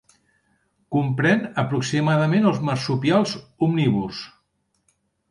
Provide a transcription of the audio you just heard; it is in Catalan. Comprèn aproximadament els marsupials omnívors.